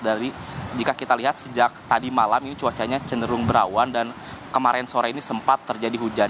dan jika kita lihat sejak tadi malam cuacanya cenderung berawan dan kemarin sore ini sempat terjadi hujan